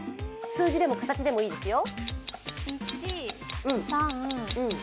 数字でも形でもいいですよ。